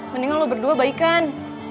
mendingan lo berdua baikan